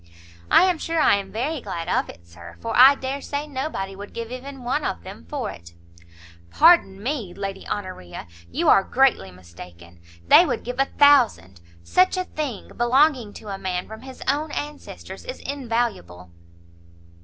"I am sure I am very glad of it, Sir, for I dare say nobody would give even one of them for it." "Pardon me, Lady Honoria, you are greatly mistaken; they would give a thousand; such a thing, belonging to a man from his own ancestors, is invaluable."